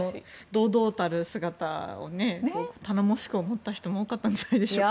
堂々たる姿を頼もしく思った人も多かったんじゃないでしょうか。